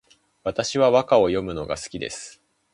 私は和歌を詠むのが好きです